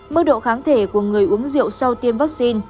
mức độ kháng thể của người uống rượu sau tiêm vaccine